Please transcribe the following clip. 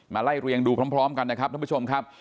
ไล่เรียงดูพร้อมกันนะครับท่านผู้ชมครับ